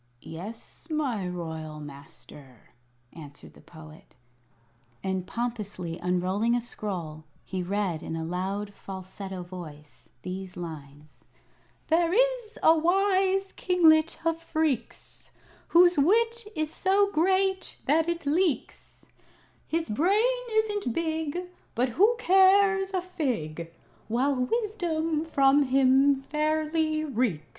"Yes, my royal Master," answered the Poet; and, pompously unrolling a scroll, he read in a loud, falsetto voice, these lines: "There is a wise Kinglet of Phreex, Whose wit is so great that it leaks; His brain isn't big, But who cares a fig While wisdom from him fairly reeks?"